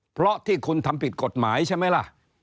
เพราะที่คุณทำผิดกฎหมายใช่ไหมล่ะ